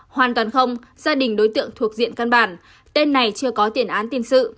hoàn toàn không gia đình đối tượng thuộc diện căn bản tên này chưa có tiền án tiền sự